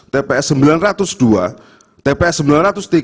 bahwa pemohon mendalikan terdapat tps yang tidak benar dan tidak berdasar